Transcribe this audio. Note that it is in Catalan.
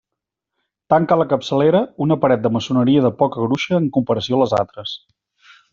Tanca la capçalera una paret de maçoneria de poca gruixa en comparació a les altres.